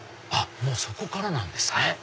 もうそこからなんですね。